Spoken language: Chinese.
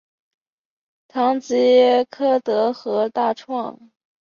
唐吉柯德和大创